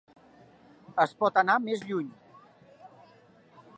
Es pot anar més lluny.